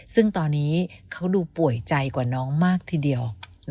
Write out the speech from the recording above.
ซึ่งตอนนี้เขาดูป่วยใจกว่าน้องมากทีเดียว